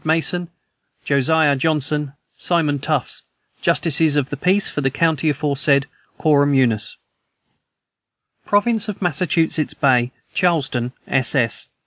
MASSON, "JOSIAH JOHNSON, SIMON TUFTS, Justices of the peace for the county aforesaid, quorum unus." "PROVINCE OF MASSACHUSETTS BAY, CHARLESTOWN, SS.